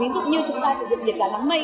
ví dụ như chúng ta tự dụng điện đoàn đám mây